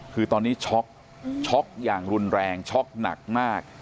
คือตอนนี้ช็อกช็อกอย่างรุนแรงช็อกหนักมาก